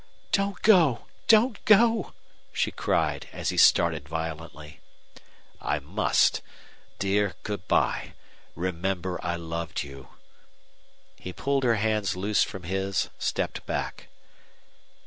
"Don't go! Don't go!" she cried, as he started violently. "I must. Dear, good by! Remember I loved you." He pulled her hands loose from his, stepped back.